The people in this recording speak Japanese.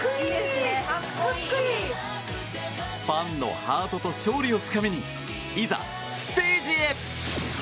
ファンのハートと勝利をつかみにいざステージへ。